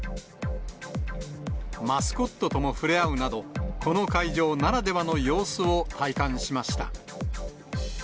マスコットとも触れ合うなど、この会場ならではの様子を体感しました。